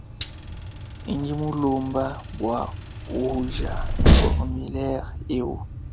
Ndi nkulomba bua uuja formilere ewu.